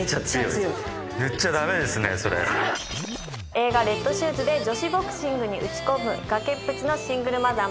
映画『レッドシューズ』で女子ボクシングに打ち込む崖っぷちのシングルマザー